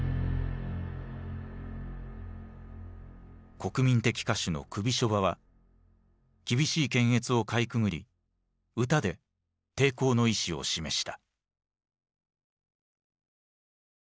国民的歌手のクビショヴァは厳しい検閲をかいくぐり歌で抵抗の意思を示した。